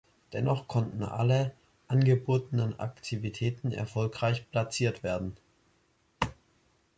Dennoch konnten alle angebotenen Aktien erfolgreich platziert werden.